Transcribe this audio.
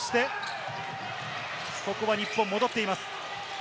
ここは日本戻っています。